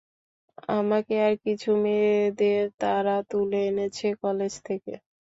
আমাকে আর কিছু মেয়েদের তারা তুলে এনেছে, কলেজ থেকে।